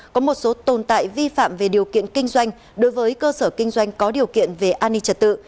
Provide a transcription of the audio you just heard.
có một số tồn tại vi phạm về điều kiện kinh doanh đối với cơ sở kinh doanh có điều kiện về an ninh trật tự